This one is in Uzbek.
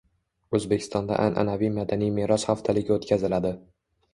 O‘zbekistonda an’anaviy madaniy meros haftaligi o‘tkaziladi